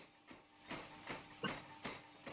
后来李自成封朱慈烺为宋王。